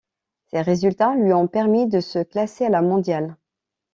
Ces résultats lui ont permis de se classer à la mondiale.